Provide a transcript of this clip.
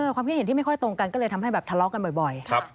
ความคิดเห็นที่ไม่ค่อยตรงกันก็เลยทำให้แบบทะเลาะกันบ่อย